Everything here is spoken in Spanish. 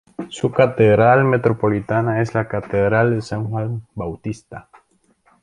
Su catedral metropolitana es la Catedral de San Juan Bautista.